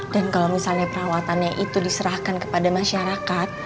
dan kalau misalnya perawatannya itu diserahkan kepada masyarakat